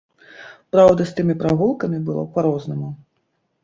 Праўда, з тымі прагулкамі было па-рознаму.